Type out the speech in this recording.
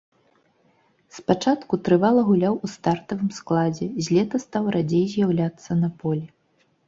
Спачатку трывала гуляў у стартавым складзе, з лета стаў радзей з'яўляцца на полі.